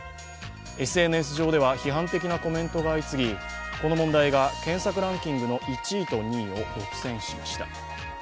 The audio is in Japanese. ＳＮＳ上では批判的なコメントが相次ぎこの問題が検索ランキングの１位と２位を独占しました。